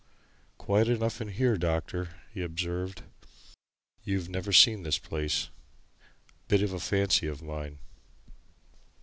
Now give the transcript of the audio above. "Quiet enough in here, doctor," he observed. "You've never seen this place bit of a fancy of mine."